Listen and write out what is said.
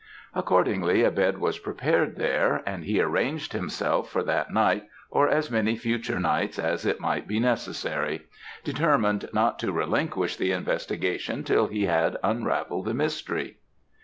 "Accordingly, a bed was prepared there; and he arranged himself for that night or as many future nights as it might be necessary; determined not to relinquish the investigation till he had unravelled the mystery.